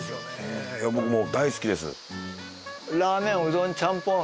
僕も大好きです。